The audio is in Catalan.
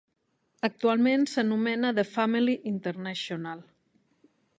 Actualment s'anomena The Family International.